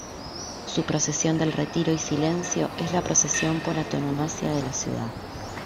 Su procesión del retiro y silencio es la procesión por antonomasia de la ciudad.